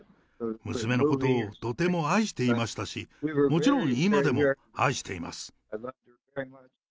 娘のことをとても愛していましたし、もちろん、今でも愛しています。